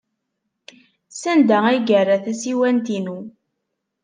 Sanda ay yerra tasiwant-inu?